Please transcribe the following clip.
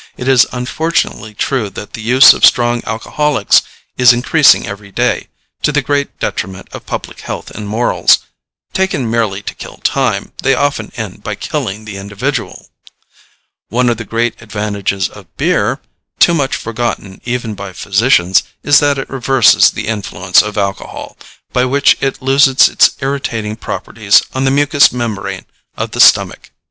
It is unfortunately true that the use of strong alcoholics is increasing every day, to the great detriment of public health and morals. Taken merely to kill time, they often end by killing the individual. One of the great advantages of beer, too much forgotten even by physicians, is that it reverses the influence of alcohol, by which it loses its irritating properties on the mucous membrane of the stomach.